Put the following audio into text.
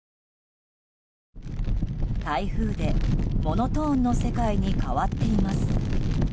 台風で、モノトーンの世界に変わっています。